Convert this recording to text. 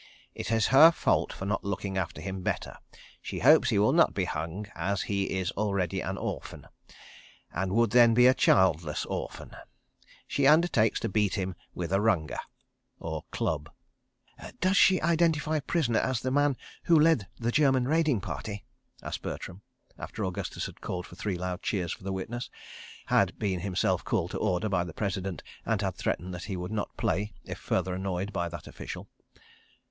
It is her fault for not looking after him better. She hopes he will not be hung, as she is already an orphan, and would then be a childless orphan. ... She undertakes to beat him with a runga." {183b} "Does she identify prisoner as the man who led the German raiding party?" asked Bertram, after Augustus had called for three loud cheers for the witness, had been himself called to order by the President, and had threatened that he would not play if further annoyed by that official.